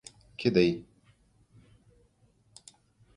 کې دی